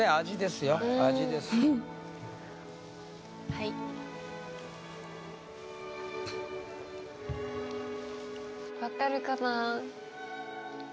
はいわかるかな？